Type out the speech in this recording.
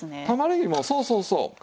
玉ねぎもそうそうそう。